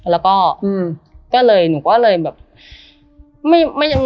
แล้วก็ก็เลยหนูก็เลยแบบ